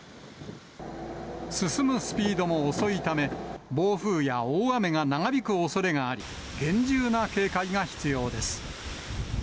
進むスピードも遅いため、暴風や大雨が長引くおそれがあり、厳重な警戒が必要です。